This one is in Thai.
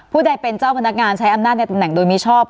ใดเป็นเจ้าพนักงานใช้อำนาจในตำแหน่งโดยมิชอบ